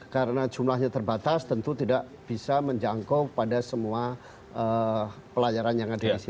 karena jumlahnya terbatas tentu tidak bisa menjangkau pada semua pelayaran yang ada di situ